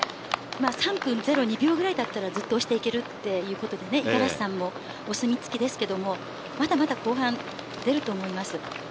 ３分０２秒ぐらいだったらずっとおしていけるということで五十嵐さもお墨付きですが、まだまだ後半出ると思います。